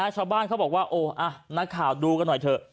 ชาวบ้านเขาบอกว่าโอ้นักข่าวดูกันหน่อยเถอะ